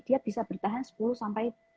dia bisa bertahan sepuluh sampai